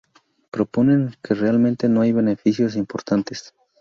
Proponen que realmente no hay beneficios importantes".